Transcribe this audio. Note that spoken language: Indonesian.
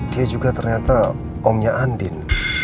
dia juga ternyata omnya andin